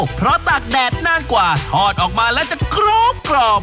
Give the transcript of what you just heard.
เพราะตากแดดนานกว่าทอดออกมาแล้วจะกรอบ